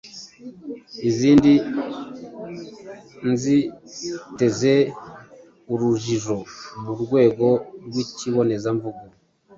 izindi ntiziteze urujijo mu rwego rw’ikibonezamvugo.